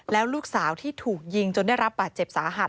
แล้วลูกสาวที่ถูกยิงจนได้รับบาดเจ็บสาหัส